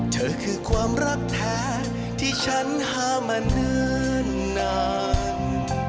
เธอคือความรักแท้ที่ฉันหามาเนิ่นนาน